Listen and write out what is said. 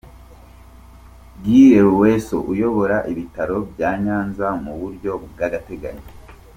Gule Lwesso, uyobora ibitaro bya Nyanza mu buryo bw’agateganyo.